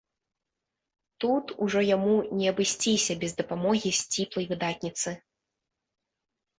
Тут ужо яму не абысціся без дапамогі сціплай выдатніцы.